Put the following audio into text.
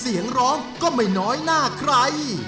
เสียงร้องก็ไม่น้อยหน้าใคร